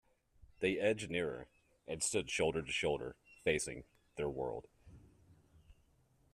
They edged nearer, and stood shoulder to shoulder facing their world.